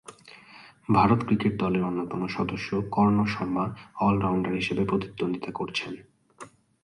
Bharat cricket দলের অন্যতম সদস্য কর্ণ শর্মা অল-রাউন্ডার হিসেবে প্রতিদ্বন্দ্বিতা করছেন।